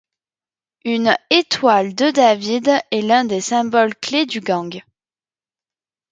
Une étoile de David est l'un des symboles clés du gang.